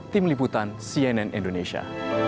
tim liputan cnn indonesia